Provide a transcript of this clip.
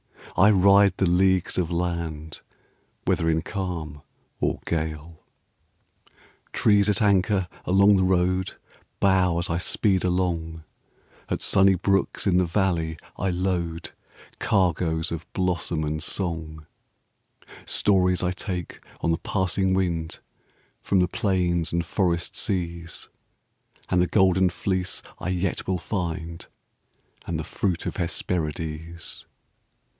I ride the leagues of land. Whether in calm or gale. 38 Preparedness Trees at anchor along the road Bow as I speed along; At sunny brooks in the valley I load Cargoes of blossom and song; Stories I take on the passing wind From the plains and forest seas, And the Golden Fleece I yet will find, And the fruit of Hesperides.